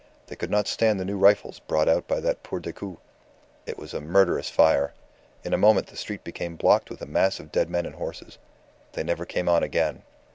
They could not stand the new rifles brought out by that poor Decoud. It was a murderous fire. In a moment the street became blocked with a mass of dead men and horses. They never came on again."